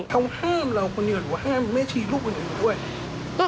เขาห้ามเราคนเดียวหรือว่าห้ามแม่ชีลูกคนอื่นด้วย